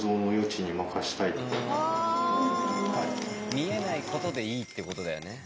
見えないことでいいってことだよね。